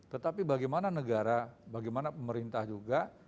tetapi bagaimana negara bagaimana pemerintah juga